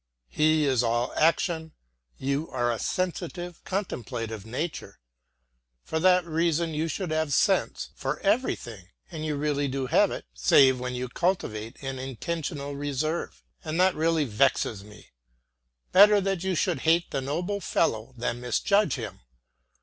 He is all action, you are a sensitive, contemplative nature. For that reason you should have sense for everything, and you really do have it, save when you cultivate an intentional reserve. And that really vexes me. Better that you should hate the noble fellow than misjudge him.